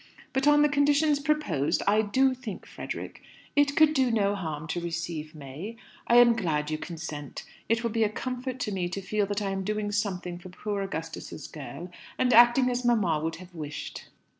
But, on the conditions proposed, I do think, Frederick, it could do no harm to receive May. I am glad you consent. It will be a comfort to me to feel that I am doing something for poor Augustus's girl, and acting as mamma would have wished."